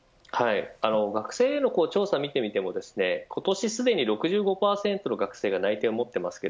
学生への調査を見てみても今年すでに６５％の学生が内定を持っています。